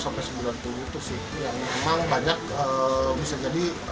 yang memang banyak bisa jadi